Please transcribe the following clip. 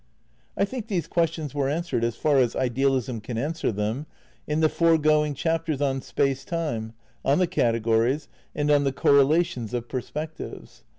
I think these questions were answered, as far as idealism can answer them, in the foregoing chapters on Space Time, on the categories, and on the correla tions of perspectives.